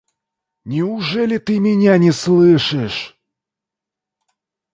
Неужели ты меня не слышишь?